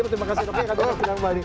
terima kasih dokter ya kita berhenti lagi